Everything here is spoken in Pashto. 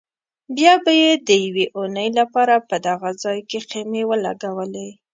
بیا به یې د یوې اونۍ لپاره په دغه ځای کې خیمې ولګولې.